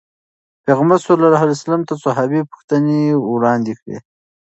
پيغمبر صلي الله علیه وسلم ته صحابي پوښتنې وړاندې کړې.